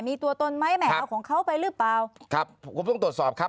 มีตัวตนไหมแหมเอาของเขาไปหรือเปล่าครับผมต้องตรวจสอบครับ